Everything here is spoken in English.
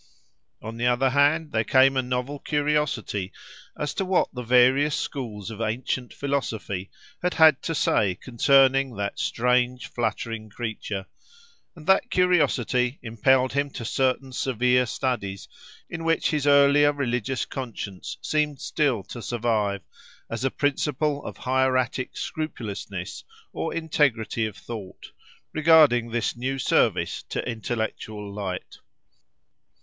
On the other hand, there came a novel curiosity as to what the various schools of ancient philosophy had had to say concerning that strange, fluttering creature; and that curiosity impelled him to certain severe studies, in which his earlier religious conscience seemed still to survive, as a principle of hieratic scrupulousness or integrity of thought, regarding this new service to intellectual light.